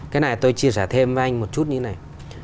cái này tôi chia sẻ thêm với anh một chút như thế này